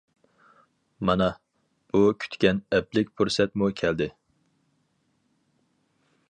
مانا، ئۇ كۈتكەن ئەپلىك پۇرسەتمۇ كەلدى!